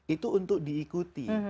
itu untuk diikuti